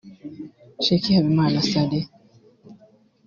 Sheikh Habimana Saleh